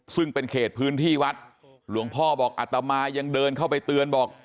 ซึ่งเป็นเขตพื้นที่วัดหลวงพ่อบอกอัตมายังเดินเข้าไปเตือนบอก